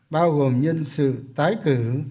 bao gồm nhân sự tái cử